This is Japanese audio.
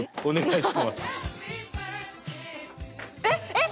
えっ！